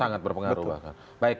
sangat berpengaruh betul